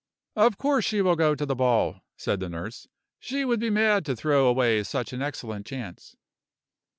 "Of course she will go to the ball," said the nurse. "She would be mad to throw away such an excellent chance."